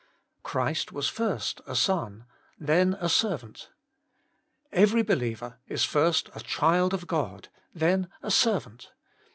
Christ was first a son, then a servant. Every believer is first a child of God, then a servant.